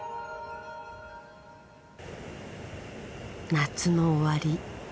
夏の終わり。